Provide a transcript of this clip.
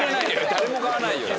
誰も買わないよね。